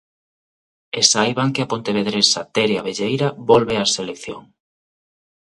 E saiban que a pontevedresa Tere Abelleira volve á selección.